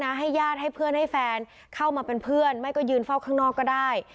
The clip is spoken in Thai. ให้ญาติให้เพื่อนให้แฟนเข้ามาเป็นเพื่อนไม่ก็ยืนเฝ้าข้างนอกก็ได้